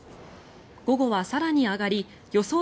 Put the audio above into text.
午後は更に上がり予想